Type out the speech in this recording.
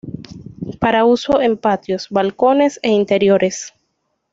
Para uso en patios, balcones e interiores.